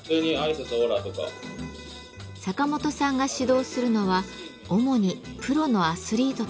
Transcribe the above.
サカモトさんが指導するのは主にプロのアスリートたち。